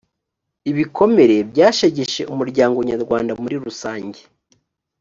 ibikomere byashegeshe umuryango nyarwanda muri rusange